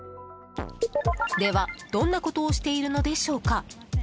では、どんなことをしているのでしょうか？